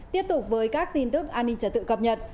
tiếp tục với các tin tức an ninh trật tự cập nhật